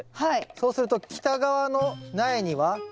そうすると北側の苗には光が？